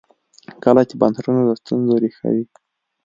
کله چې بنسټونه د ستونزې ریښه وي.